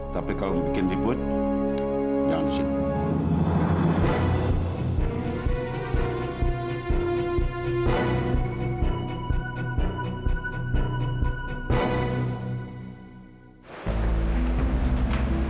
tapi kalau mau bikin ribut jangan disini